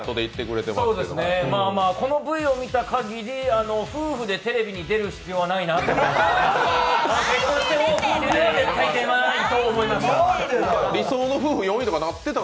このＶを見た限り、夫婦でテレビに出る必要はないなと思いました。